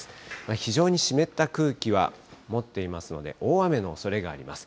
非常に湿った空気は持っていますので、大雨のおそれがあります。